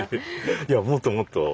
いやもっともっと。